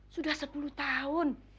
sudah sepuluh tahun